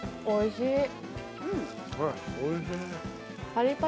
おいしい。